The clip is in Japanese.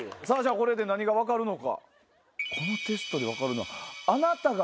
これで何が分かるのか？